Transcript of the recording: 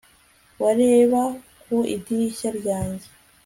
Wareba ku idirishya ryanjye